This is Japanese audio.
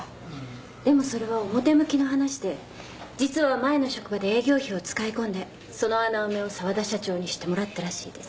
でもそれは表向きの話で実は前の職場で営業費を使い込んでその穴埋めを沢田社長にしてもらったらしいです。